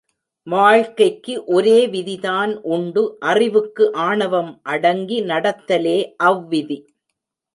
வாழ்க்கைக்கு ஒரே விதிதான் உண்டு அறிவுக்கு ஆணவம் அடங்கி நடத்தலே அவ் விதி.